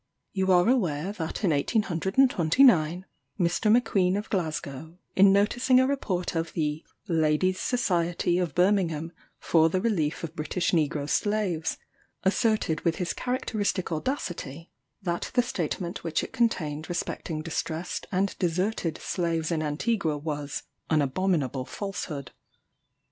You are aware that in 1829, Mr. M'Queen of Glasgow, in noticing a Report of the "Ladies' Society of Birmingham for the relief of British Negro Slaves," asserted with his characteristic audacity, that the statement which it contained respecting distressed and deserted slaves in Antigua was "an abominable falsehood."